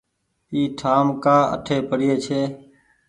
اي ٺآم ڪآ اٺي پڙيي ڇي